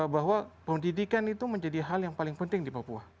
bahwa pendidikan itu menjadi hal yang paling penting di papua